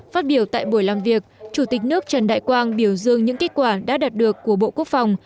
phát biểu tại buổi làm việc chủ tịch nước trần đại quang biểu dương những kết quả đã đạt được của bộ quốc phòng